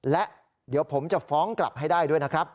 และเดี๋ยวผมจะฟ้องกลับให้ได้ด้วยนะครับ